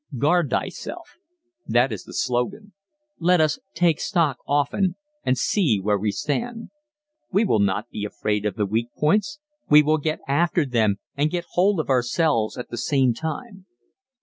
"Guard thyself!" That is the slogan. Let us "take stock" often and see where we stand. We will not be afraid of the weak points. We will get after them and get hold of ourselves at the same time.